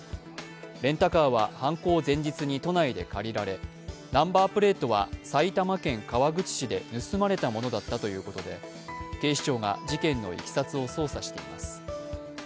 レンタカーは犯行前日に都内で借りられナンバープレートは、埼玉県川口市で盗まれたものだったということで、警視庁が事件のいきさつを捜査しています。